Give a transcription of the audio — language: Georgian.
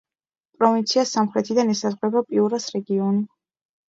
პროვინციას სამხრეთიდან ესაზღვრება პიურას რეგიონი.